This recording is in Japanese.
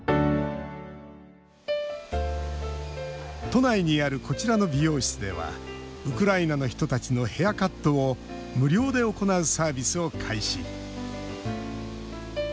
都内にあるこちらの美容室ではウクライナの人たちのヘアカットを無料で行うサービスを開始。